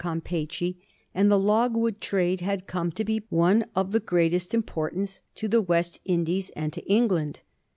xn, Campeachy, and the logwood trade had come to be one of the greatest importance to the West Indies and to England.